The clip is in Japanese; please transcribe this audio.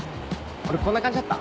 俺こんな感じだった？